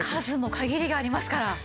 数も限りがありますから。